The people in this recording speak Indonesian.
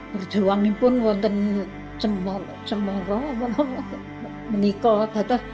berjuang pun saya semuruh menikah